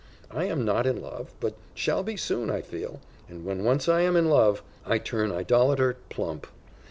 I am not in love, but shall be soon, I feel; and when once I am in love! I turn idolater, plump.